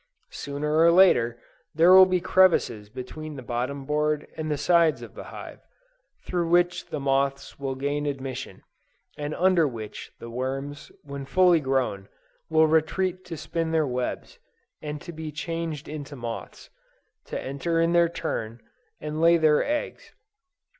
Sooner or later, there will be crevices between the bottom board and the sides of the hive, through which the moths will gain admission, and under which the worms, when fully grown, will retreat to spin their webs, and to be changed into moths, to enter in their turn, and lay their eggs.